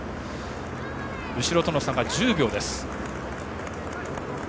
後ろとの差が１０秒です。